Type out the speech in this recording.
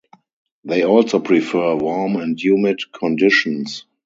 They also prefer warm and humid conditions.